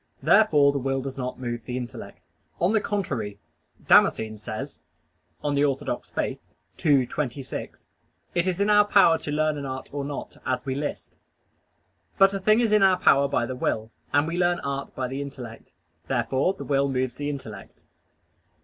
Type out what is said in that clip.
Therefore the will does not move the intellect. On the contrary, Damascene says (De Fide Orth. ii, 26): "It is in our power to learn an art or not, as we list." But a thing is in our power by the will, and we learn art by the intellect. Therefore the will moves the intellect.